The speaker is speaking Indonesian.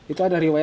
itu ada riwayatnya